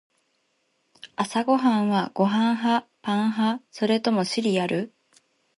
朝はご飯派？パン派？それともシリアル？